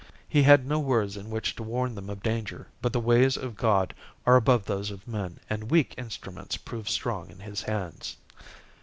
He had no words in which to warn them of danger, but the ways of God are above those of men, and weak instruments prove strong in His hands.